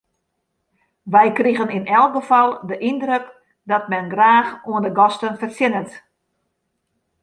Wy krigen yn elk gefal de yndruk dat men graach oan de gasten fertsjinnet.